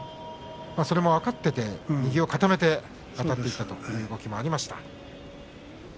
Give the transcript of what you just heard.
それも分かっていて右を固めてあたっていったという動きがありました。